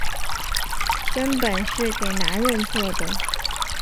根本是给男人做的